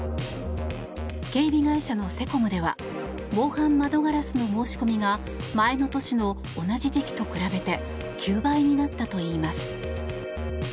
警備会社のセコムでは防犯窓ガラスの申し込みが前の年の同じ時期と比べて９倍になったといいます。